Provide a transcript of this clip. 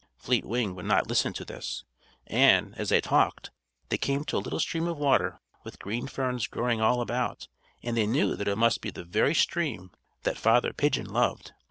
] Fleet Wing would not listen to this; and, as they talked, they came to a little stream of water with green ferns growing all about, and they knew that it must be the very stream that Father Pigeon loved.